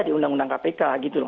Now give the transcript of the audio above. di undang undang kpk